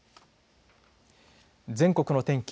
全国の天気